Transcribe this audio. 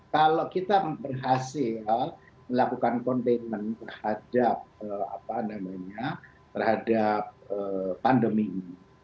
kalau kita berhasil melakukan containment terhadap pandemi ini